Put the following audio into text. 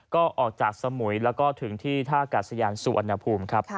ก็ออกจากสมุยแล้วก็ถึงที่ท่ากาศยานสุวรรณภูมิครับ